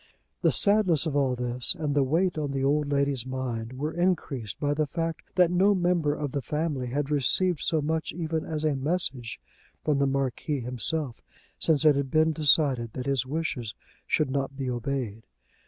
The sadness of all this and the weight on the old lady's mind were increased by the fact that no member of the family had received so much even as a message from the Marquis himself since it had been decided that his wishes should not be obeyed.